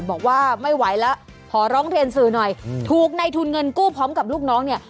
บอกว่าไม่ไหวแล้วขอร้องเรียนสื่อหน่อยถูกในทุนเงินกู้พร้อมกับลูกน้องเนี่ย